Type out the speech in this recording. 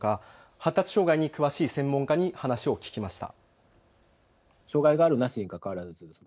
発達障害に詳しい専門家に話を聞きました。